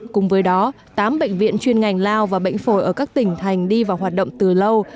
cùng với đó tám bệnh viện chuyên ngành lao và bệnh phổi ở các tỉnh thành đi vào hoạt động từ lâu